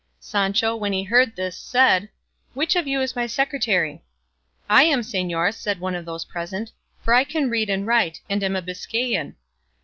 Sancho when he heard this said, "Which of you is my secretary?" "I am, señor," said one of those present, "for I can read and write, and am a Biscayan."